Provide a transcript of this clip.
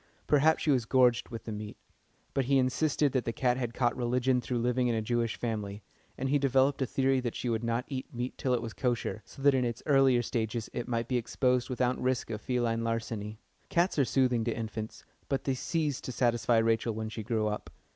Perhaps she was gorged with the meat. But he insisted that the cat had caught religion through living in a Jewish family, and he developed a theory that she would not eat meat till it was kosher, so that in its earlier stages it might be exposed without risk of feline larceny. Cats are soothing to infants, but they ceased to satisfy Rachel when she grew up.